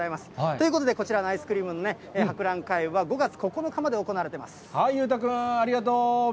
ということでこちらのアイスクリームの博覧会は、５月９日まで行裕太君、ありがとう。